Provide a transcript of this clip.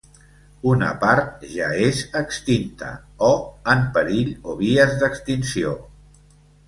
Una part ja és extinta o en perill o vies d'extinció.